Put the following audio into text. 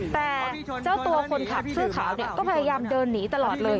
แต่เจ้าตัวคนขับเสื้อขาวเนี่ยก็พยายามเดินหนีตลอดเลย